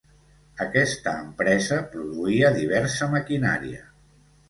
Aquesta empresa produïa diversa maquinària.